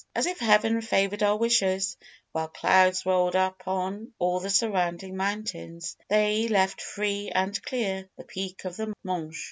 As if Heaven favoured our wishes, while clouds rolled upon all the surrounding mountains, they left free and clear the peak of the Mönch.